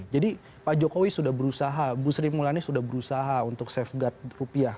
jadi pak jokowi sudah berusaha bu sri mulani sudah berusaha untuk safeguard rupiah